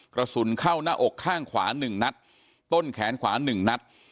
กระสุนเข้าหน้าอกข้างขวา๑นัดต้นแขนขวา๑นัด